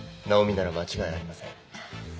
ナオミなら間違いありません。